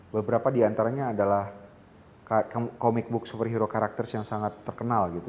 beberapa diantaranya adalah comic book superhero karakters yang sangat terkenal gitu